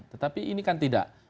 tetapi ini kan tidak